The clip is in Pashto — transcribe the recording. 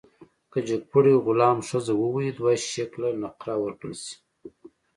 که جګپوړي غلام ښځه ووهي، دوه شِکِله نقره ورکړل شي.